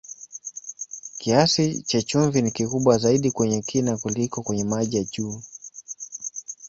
Kiasi cha chumvi ni kikubwa zaidi kwenye kina kuliko kwenye maji ya juu.